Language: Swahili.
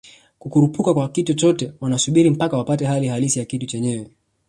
kukurupuka kwa kitu chochote wanasubiri mpaka wapate hali halisi ya kitu chenyewe